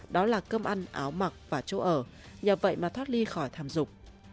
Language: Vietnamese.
đó là cơm ăn áo mặc và chỗ ở nhờ vậy mà thoát ly khỏi thảm dục